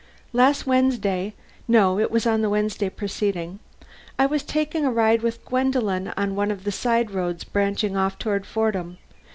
"Last Wednesday no, it was on the Wednesday preceding I was taking a ride with Gwendolen on one of the side roads branching off toward Fordham.